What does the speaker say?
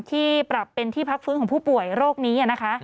ที่ปรับเป็นที่พักฟื้นของผู้ป่วยโรคนี้นะคะ